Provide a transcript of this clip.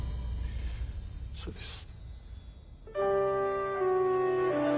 そうです。